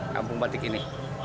kampung batik ini